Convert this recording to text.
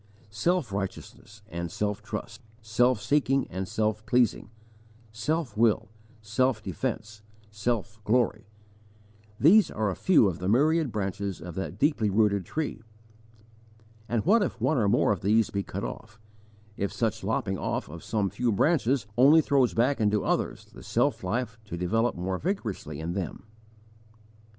Self righteousness and self trust, self seeking and self pleasing, self will, self defence, self glory these are a few of the myriad branches of that deeply rooted tree. And what if one or more of these be cut off, if such lopping off of some few branches only throws back into others the self life to develop more vigorously in them?